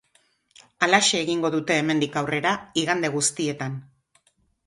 Halaxe egingo dute hemendik aurrera igande guztietan.